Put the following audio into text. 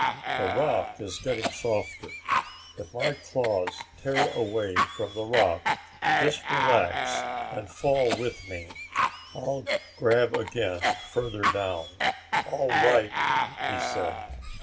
"The rock is getting softer. If my claws tear away from the rock, just relax and fall with me. I'll grab again further down." "All right," he said.